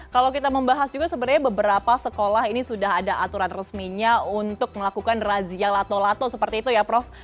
kalau kita membahas juga sebenarnya beberapa sekolah ini sudah ada aturan resminya untuk melakukan razia lato lato seperti itu ya prof